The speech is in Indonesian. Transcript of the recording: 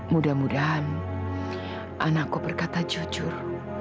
mudah mudahan anakku berkata jujur